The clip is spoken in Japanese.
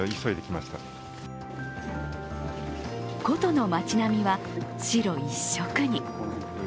古都の町並みは白一色に。